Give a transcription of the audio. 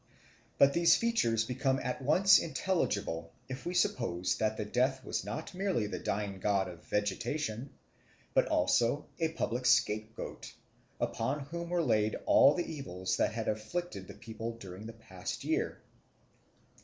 But these features become at once intelligible if we suppose that the Death was not merely the dying god of vegetation, but also a public scapegoat, upon whom were laid all the evils that had afflicted the people during the past year.